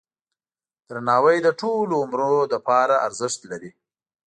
درناوی د ټولو عمرونو لپاره ارزښت لري.